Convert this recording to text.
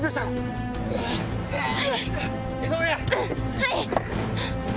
はい！